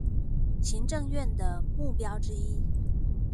行政院的目標之一